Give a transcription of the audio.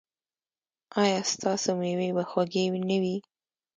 ایا ستاسو میوې به خوږې نه وي؟